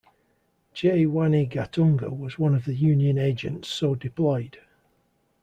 J. Wanigatunga was one of the union agents so deployed.